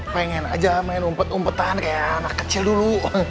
pengen aja main umpet umpetan kayak anak kecil dulu